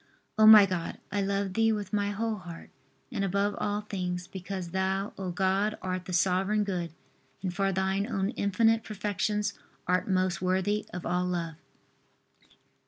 O my God, I love Thee with my whole heart, and above all things because Thou, O God, art the Sovereign Good and for Thine own infinite perfections art most worthy of all love.